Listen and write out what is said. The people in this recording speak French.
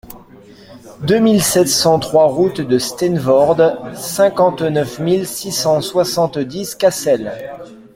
deux mille sept cent trois route de Steenvoorde, cinquante-neuf mille six cent soixante-dix Cassel